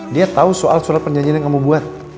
dia tahu soal surat perjanjian yang kamu buat